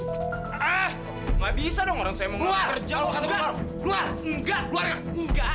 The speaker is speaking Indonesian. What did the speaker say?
eh gak bisa dong orang saya mau ngelamar kerja